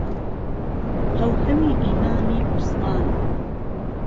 هەوهەوی ئیمامیعوسمان